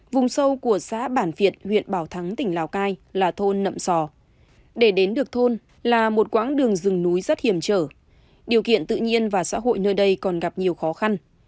vùng sâu của xã bản việt huyện bảo thắng tỉnh lào cai là thôn nậm sò để đến được thôn là một quãng đường rừng núi rất hiểm trở điều kiện tự nhiên và xã hội nơi đây còn gặp nhiều khó khăn